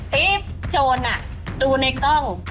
ทิศโจรน่ะดูในกล้อง